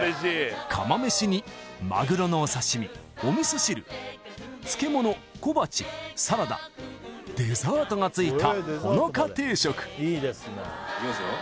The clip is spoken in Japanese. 釜飯にマグロのお刺身お味噌汁漬物小鉢サラダデザートがついた穂の香定食いきますよ